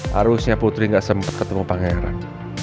harusnya putri gak sempat ketemu pangeran